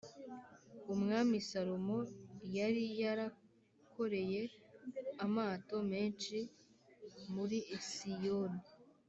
Umwami Salomo yari yarakoreye amato menshi muri Esiyoni